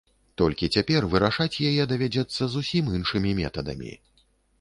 Толькі цяпер вырашаць яе давядзецца зусім іншымі метадамі.